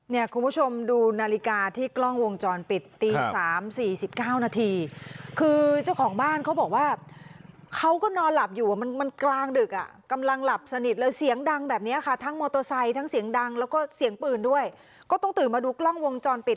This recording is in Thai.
คุณผู้ชมดูนาฬิกาที่กล้องวงจรปิดตีสามสี่สิบเก้านาทีคือเจ้าของบ้านเขาบอกว่าเขาก็นอนหลับอยู่มันมันกลางดึกอ่ะกำลังหลับสนิทเลยเสียงดังแบบนี้ค่ะทั้งมอเตอร์ไซค์ทั้งเสียงดังแล้วก็เสียงปืนด้วยก็ต้องตื่นมาดูกล้องวงจรปิด